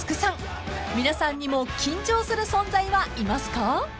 ［皆さんにも緊張する存在はいますか？］